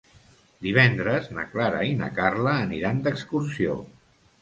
Divendres na Clara i na Carla aniran d'excursió.